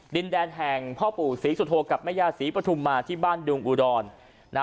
ดินแดนแห่งพ่อปู่ศรีสุโธกับแม่ย่าศรีปฐุมมาที่บ้านดุงอุดร